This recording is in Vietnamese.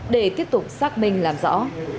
để tiếp tục xác minh làm rõ